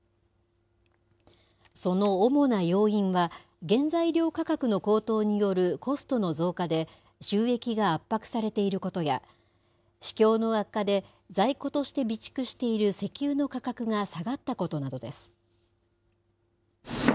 その主な要因は、原材料価格の高騰によるコストの増加で収益が圧迫されていることや、市況の悪化で、在庫として備蓄している石油の価格が下がったことなどです。